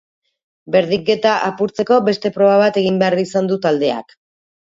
Berdinketa apurtzeko, beste proba bat egin behar izan du taldeak.